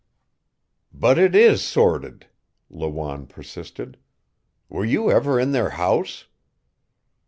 "But it is sordid," Lawanne persisted. "Were you ever in their house?"